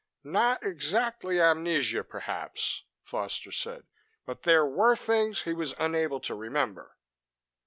"Not exactly amnesia, perhaps," Foster said. "But there were things he was unable to remember."